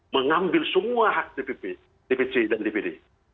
mengambil semua hak dpp dpc dan dpd